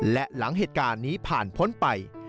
และหลังเหตุการณ์นี้ผ่านพ้นไป